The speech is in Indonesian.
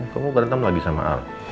kamu berantem lagi sama al